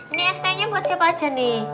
ini st nya buat siapa aja nih